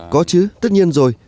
có chứ tất nhiên rồi